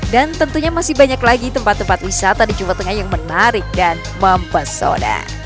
dan tentunya masih banyak lagi tempat tempat wisata di jawa tengah yang menarik dan mempesona